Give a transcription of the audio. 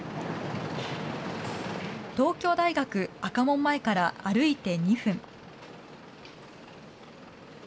東京大学・赤門前から歩いて２分。